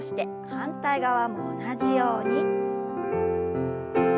反対側も同じように。